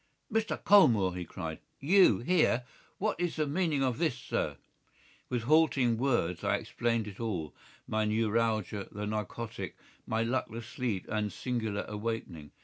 "Mr. Colmore!" he cried. "You here! What is the meaning of this, sir?" With halting words I explained it all, my neuralgia, the narcotic, my luckless sleep and singular awakening.